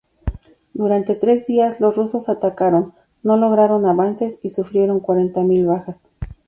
Durante tres días, los rusos atacaron, no lograron avances y sufrieron cuarenta mil bajas.